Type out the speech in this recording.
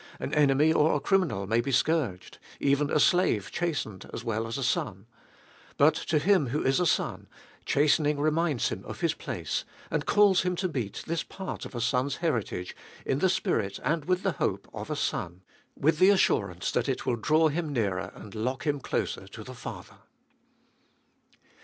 An enemy or a criminal may be scourged; even a slave chastened as well as a son. But to him who is a son, chastening reminds him of his place, and calls him to meet this part of a son's heritage in the spirit and with the hope of a son — with Ebe ibolieet of Sll the assurance that it will draw him nearer and lock him closer to the Father.